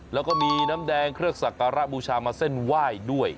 แล้วก็มีน้ำแดงเครื่องสักการะบูชามาเส้นไหว้ด้วย